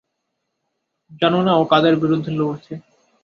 জান না ও কাদের বিরুদ্ধে লড়ছে।